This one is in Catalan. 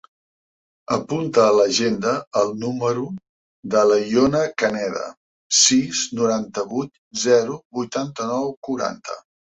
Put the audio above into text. Apunta a l'agenda el número de l'Iona Caneda: sis, noranta-vuit, zero, vuitanta-nou, quaranta.